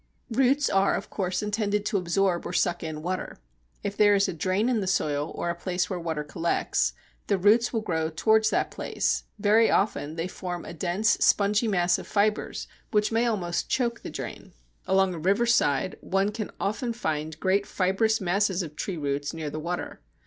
Roots are of course intended to absorb or suck in water. If there is a drain in the soil or a place where water collects, the roots will grow towards that place. Very often they form a dense spongy mass of fibres which may almost choke the drain. Along a riverside one can often find great fibrous masses of tree roots near the water.